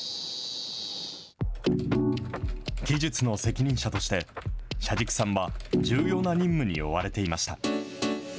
技術の責任者として、車軸さんは重要な任務に追われていました。